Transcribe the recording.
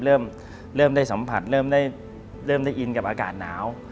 เริ่มได้สัมผัสเริ่มได้อินกับอากาศหนาว